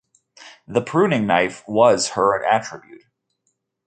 The pruning knife was her attribute.